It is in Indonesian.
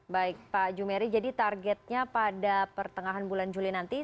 baik pak jumeri jadi targetnya pada pertengahan bulan juli nanti